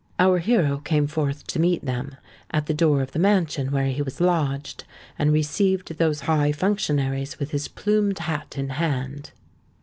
Our hero came forth to meet them, at the door of the mansion where he was lodged, and received those high functionaries with his plumed hat in hand.